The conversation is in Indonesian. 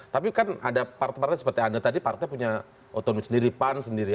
tapi kan ada partai partai seperti anda tadi partai punya otonomi sendiri pan sendiri